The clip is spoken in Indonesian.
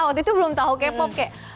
waktu itu belum tahu k pop k